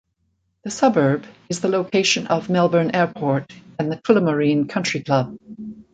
The suburb is the location of Melbourne Airport and the Tullamarine Country Club.